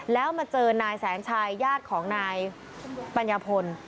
แล้วมาเจอนายแสนชายญาติของนายปัญญาพล